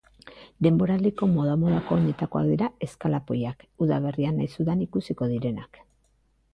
Denboraldiko moda-modako oinetakoak dira eskalapoiak, udaberrian nahiz udan ikusiko direnak.